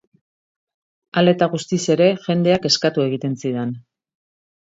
Hala eta guztiz ere, jendeak eskatu egiten zidan.